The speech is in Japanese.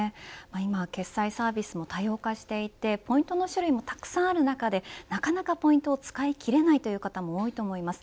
今は決済サービスも多様化していてポイントの種類もたくさんある中でなかなかポイントを使い切れないという方も多いと思います。